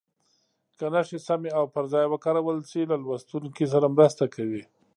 که نښې سمې او پر ځای وکارول شي له لوستونکي سره مرسته کوي.